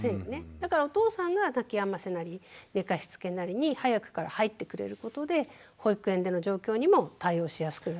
だからお父さんが泣きやませなり寝かしつけなりに早くから入ってくれることで保育園での状況にも対応しやすくなるってことが考えられます。